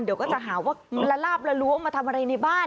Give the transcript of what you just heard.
เดี๋ยวก็จะหาว่าละลาบละล้วงมาทำอะไรในบ้าน